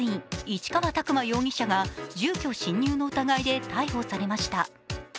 市川拓磨容疑者が住居侵入の疑いで逮捕されました。